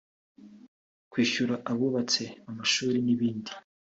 kwishyura abubatse amashuri n’ibindi